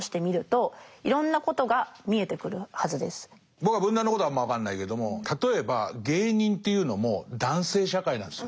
僕は文壇のことはあんま分かんないけども例えば芸人っていうのも男性社会なんですよ。